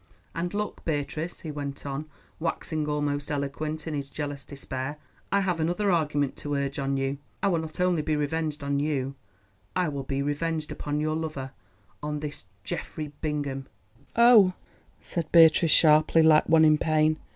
"And look, Beatrice," he went on, waxing almost eloquent in his jealous despair, "I have another argument to urge on you. I will not only be revenged on you, I will be revenged upon your lover—on this Geoffrey Bingham." "Oh!" said Beatrice sharply, like one in pain.